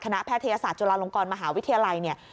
คณะแพทยศาสตร์จุฬาลงกรมหาวิทยาลัย